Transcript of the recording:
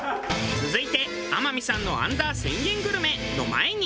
続いて天海さんのアンダー１０００円グルメの前に。